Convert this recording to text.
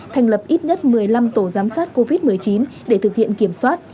thành lập ít nhất một mươi năm tổ giám sát covid một mươi chín để thực hiện kiểm soát